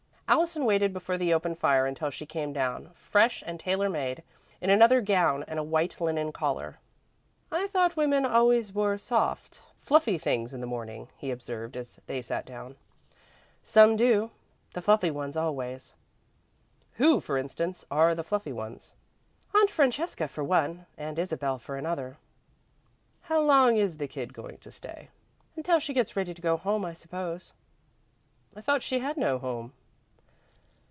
Allison waited before the open fire until she came down, fresh and tailor made, in another gown and a white linen collar. "I thought women always wore soft, fluffy things in the morning," he observed, as they sat down. "Some do the fluffy ones, always." "Who, for instance, are the fluffy ones?" "Aunt Francesca for one and Isabel for another." "How long is the kid going to stay?" "Until she gets ready to go home, I suppose." "I thought she had no home."